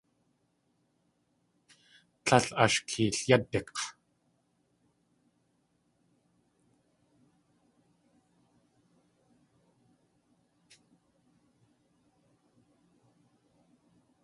Líl ash keelyádik̲!